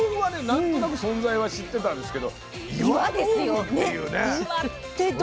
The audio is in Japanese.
何となく存在は知ってたんですけど岩豆腐っていうね。